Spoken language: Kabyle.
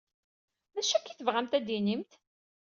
D acu akka i tebɣamt ad tinimt?